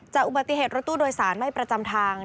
อุบัติเหตุรถตู้โดยสารไม่ประจำทาง